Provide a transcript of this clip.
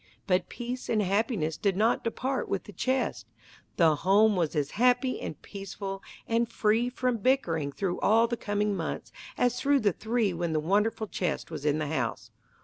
But peace and happiness did not depart with the chest. The home was as happy and peaceful and free from bickering through all the coming months as through the three when the wonderful chest was in the house.